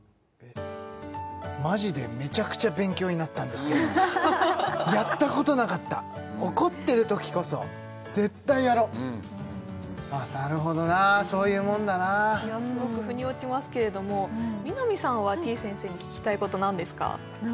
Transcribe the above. マジでめちゃくちゃ勉強になったんですけどやったことなかった怒ってるときこそ絶対やろうあっなるほどなそういうもんだなすごく腑に落ちますけれども南さんはてぃ先生に聞きたいこと何ですか？